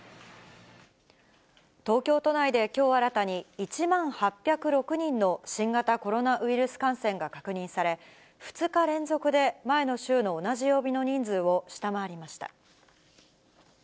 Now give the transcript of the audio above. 東京都内できょう新たに、１万８０６人の新型コロナウイルス感染が確認され、２日連続で前の週の同じ曜日の人数を下回りました。